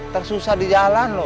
tersusah di jalan loh